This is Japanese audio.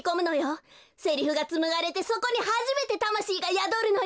セリフがつむがれてそこにはじめてたましいがやどるのよ。